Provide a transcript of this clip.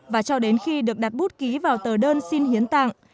và cho đến khi được đặt bút ký vào tờ đơn xin hiến tặng